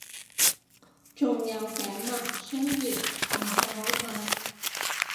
仲有頸紋，雖然仲係好淡